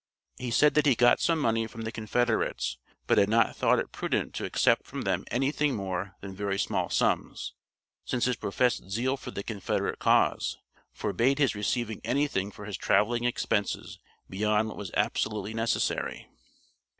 He said that he got some money from the Confederates, but had not thought it prudent to accept from them anything more than very small sums, since his professed zeal for the Confederate cause forbade his receiving anything for his traveling expenses beyond what was absolutely necessary.